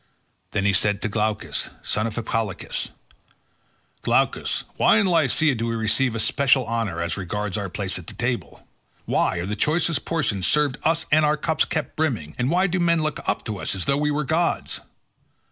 Then he said to Glaucus son of Hippolochus, "Glaucus, why in Lycia do we receive especial honour as regards our place at table? Why are the choicest portions served us and our cups kept brimming, and why do men look up to us as though we were gods?